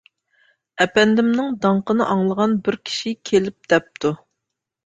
ئەپەندىمنىڭ داڭقىنى ئاڭلىغان بىر كىشى كېلىپ دەپتۇ.